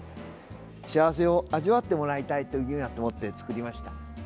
幸せを味わってもらいたいと思って作りました。